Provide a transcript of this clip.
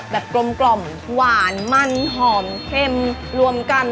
กลมหวานมันหอมเค็มรวมกัน